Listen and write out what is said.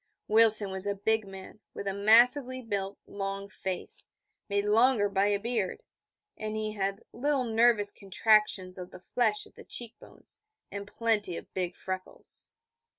Wilson was a big man, with a massively built, long face, made longer by a beard, and he had little nervous contractions of the flesh at the cheek bones, and plenty of big freckles.